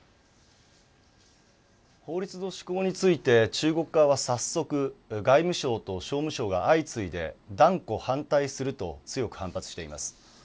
法律の施行について中国側は早速外務省と商務省が相次いで断固反対すると強く反発しています。